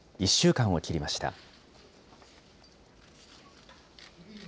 １週間を切りました。